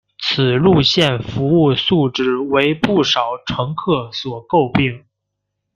此路线服务质素为不少乘客所诟病。